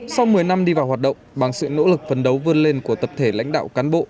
sau một mươi năm đi vào hoạt động bằng sự nỗ lực phấn đấu vươn lên của tập thể lãnh đạo cán bộ